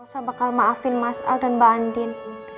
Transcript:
saya bakal maafin mas al dan mbak andin